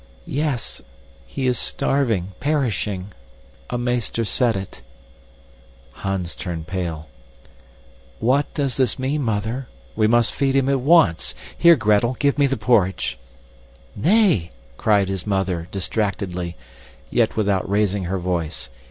"Yes. He is starving perishing. A meester said it." Hans turned pale. "What does this mean, Mother? We must feed him at once. Here, Gretel, give me the porridge." "Nay!" cried his mother, distractedly, yet without raising her voice.